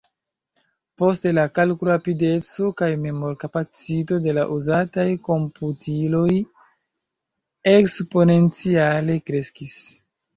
Poste la kalkulrapideco kaj memorkapacito de la uzataj komputiloj eksponenciale kreskis.